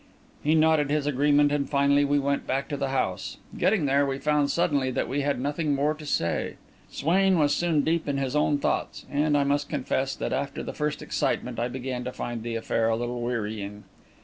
He nodded his agreement, and finally we went back to the house. Getting there, we found suddenly that we had nothing more to say. Swain was soon deep in his own thoughts; and, I must confess, that, after the first excitement, I began to find the affair a little wearying.